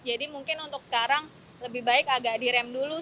jadi mungkin untuk sekarang lebih baik agak direm dulu